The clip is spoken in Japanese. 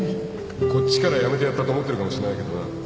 こっちから辞めてやったと思ってるかもしれないけどな